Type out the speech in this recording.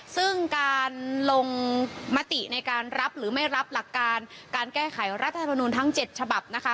ซึ่งการลงมติในการรับหรือไม่รับหลักการการแก้ไขรัฐธรรมนุนทั้ง๗ฉบับนะคะ